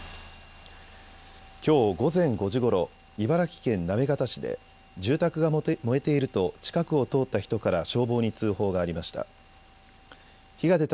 きょう午前５時ごろ茨城県行方市で住宅が燃えていると近くを通った人から消防に通報がありました。